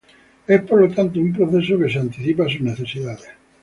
Es por lo tanto un proceso que se anticipa a sus necesidades.